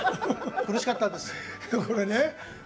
苦しかったんで。